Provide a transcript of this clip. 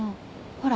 ほら。